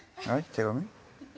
手紙？